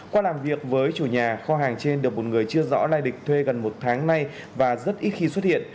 qua làm việc với chủ nhà kho hàng trên được một người chưa rõ lai lịch thuê gần một tháng nay và rất ít khi xuất hiện